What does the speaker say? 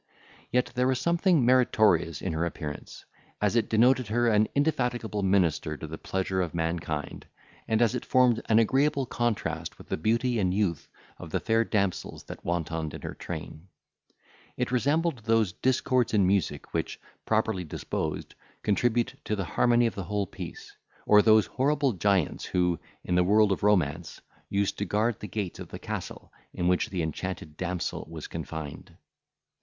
Yet there was something meritorious in her appearance, as it denoted her an indefatigable minister to the pleasure of mankind, and as it formed an agreeable contrast with the beauty and youth of the fair damsels that wantoned in her train. It resembled those discords in music, which, properly disposed, contribute to the harmony of the whole piece; or those horrible giants, who, in the world of romance, used to guard the gates of the castle in which the enchanted damsel was confined.